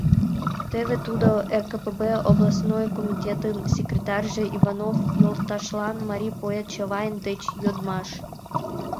Теве тудо: «РКПб областной комитетын секретарьже Иванов йолташлан марий поэт Чавайн деч йодмаш.